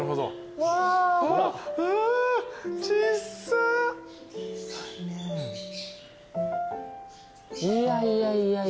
いやいやいやいや。